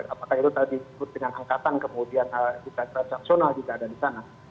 apakah itu tadi disebut dengan angkatan kemudian jika transaksional jika ada di sana